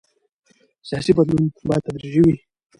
سیاسي بدلون باید تدریجي وي